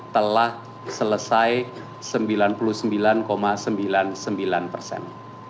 telah selesai sembilan puluh sembilan sembilan puluh sembilan persen